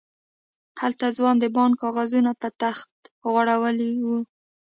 هلته ځوان د بانک کاغذونه په تخت غړولي وو.